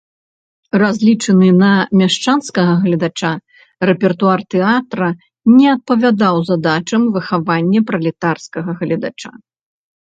Разлічаны на мяшчанскага гледача, рэпертуар тэатра не адпавядаў задачам выхавання пралетарскага гледача.